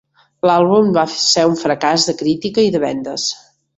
L'àlbum va ser un fracàs de crítica i de vendes.